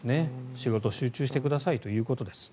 仕事に集中してくださいということです。